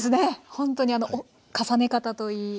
ほんとに重ね方といい。